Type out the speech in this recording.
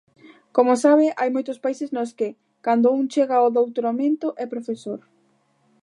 Como sabe, hai moitos países nos que, cando un chega ao doutoramento, é profesor.